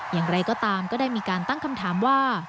อย่างไรก็ตามก็ได้มีการตั้งคำถามว่า